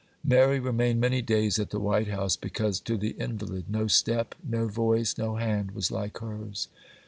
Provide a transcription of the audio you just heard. Mary remained many days at the white house, because, to the invalid, no step, no voice, no hand was like hers.